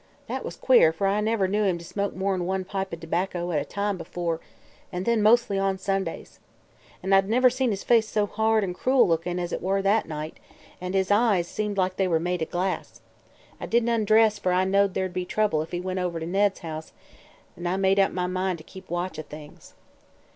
That was queer, for I never knew him to smoke more'n one pipe o' tobacco at a time, before, an' then mostly on Sundays. And I'd never seen his face so hard an' cruel lookin' as it were that night, and his eyes, seemed like they were made of glass. I didn't undress, fer I knowed there'd be trouble if he went over to Ned's house, and I made up my mind to keep watch o' things.